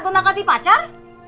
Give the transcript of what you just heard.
guna kati pacar